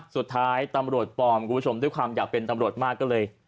สุดท้ายตำรวจปลอมคุณผู้ชมด้วยความอยากเป็นตำรวจมากก็เลย